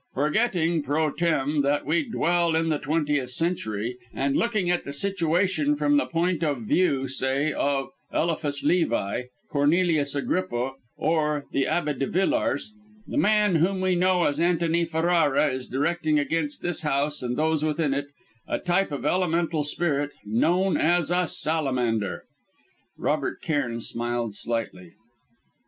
Forgetting, pro tem., that we dwell in the twentieth century, and looking at the situation from the point of view, say, of Eliphas Lévi, Cornelius Agrippa, or the Abbé de Villars the man whom we know as Antony Ferrara, is directing against this house, and those within it, a type of elemental spirit, known as a Salamander!" Robert Cairn smiled slightly.